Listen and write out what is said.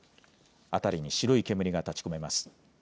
辺りに白い煙が立ちこめます。